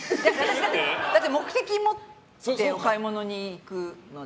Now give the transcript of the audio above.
だって目的を持ってお買い物に行くので。